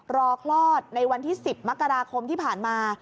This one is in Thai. คลอดในวันที่๑๐มกราคมที่ผ่านมา